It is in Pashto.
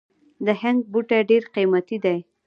د هنګ بوټی ډیر قیمتي دی